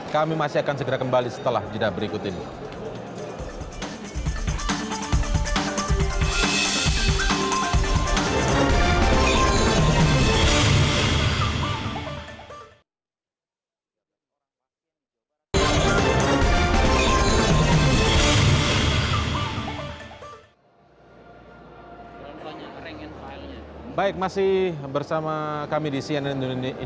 kami masih akan segera kembali setelah jenah berikut ini